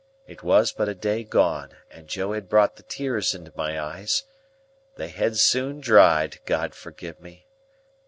It was but a day gone, and Joe had brought the tears into my eyes; they had soon dried, God forgive me!